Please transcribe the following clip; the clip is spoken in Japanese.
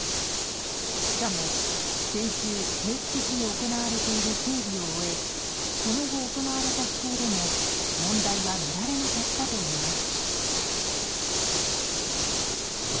しかも先週、定期的に行われている整備を終えその後、行われた飛行でも問題は見られなかったといいます。